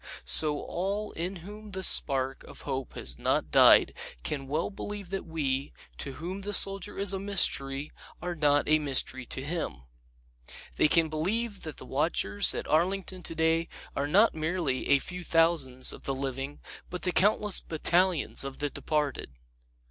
So all in whom the spark of hope has not died can well believe that we, to whom the Soldier is a mystery, are not a mystery to him. They can believe that the watchers at Arlington today are not merely a few thousands of the living but the countless battalions of the departed.